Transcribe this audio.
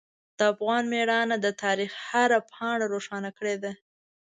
د افغان میړانه د تاریخ هره پاڼه روښانه کړې ده.